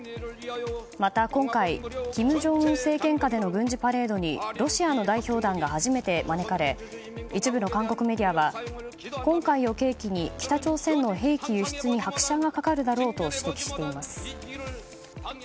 また今回、金正恩政権下での軍事パレードにロシアの代表団が初めて招かれ一部の韓国メディアは今回を契機に北朝鮮の兵器輸出に拍車がかかるだろうと指摘しています。